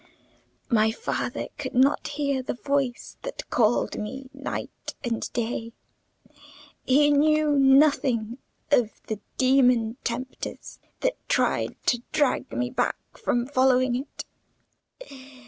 My father could not hear the voice that called me night and day; he knew nothing of the demon tempters that tried to drag me back from following it.